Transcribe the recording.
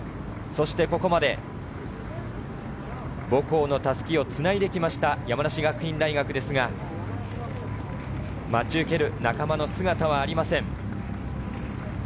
ここまで母校の襷をつないできました山梨学院大学ですが、待ち受ける仲間の姿はありません。